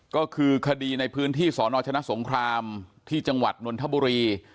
ก็คือคดีในพื้นที่สนชนะสงครามที่จังหวัดนนทบุรี